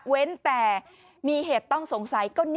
แต่มีเหตุต้องสงสัย